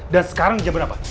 dan sekarang jam berapa